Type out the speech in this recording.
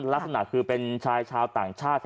ลักษณะคือเป็นชายชาวต่างชาติ